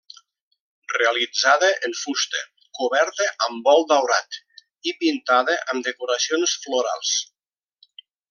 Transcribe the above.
Realitzada en fusta, coberta amb bol daurat i pintada amb decoracions florals.